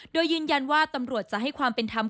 โดยยืนยันว่าตำรวจจะให้ความเป็นธรรม